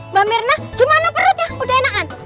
mbak mirna gimana perutnya udah enakan